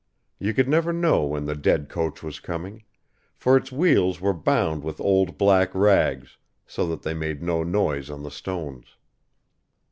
You could never know when the dead coach was coming, for its wheels were bound with old black rags, so that they made no noise on the stones.